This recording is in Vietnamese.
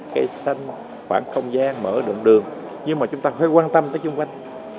cây xanh khoảng không gian mở rộng đường nhưng mà chúng ta phải quan tâm tới chung quanh